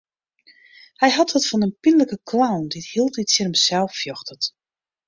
Hy hat wat fan in pynlike clown dy't hieltyd tsjin himsels fjochtet.